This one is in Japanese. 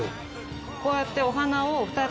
こうやってお花を２つ。